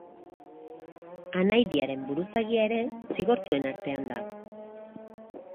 Anaidiaren buruzagia ere zigortuen artean da.